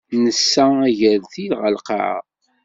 Nessa agertil ɣer lqaɛa.